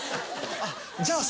あっじゃあさ